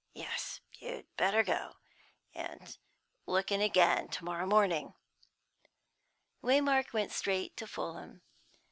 Yes, you'd better go, and look in again tomorrow morning." Waymark went straight to Fulham.